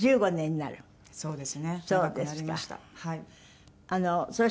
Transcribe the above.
長くなりました。